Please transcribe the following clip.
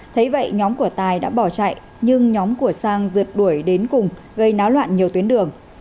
thấy vậy nhóm của tài đã bỏ chạy nhưng nhóm của sang rượt đuổi đến cùng gây náo loạn nhiều tuyến đường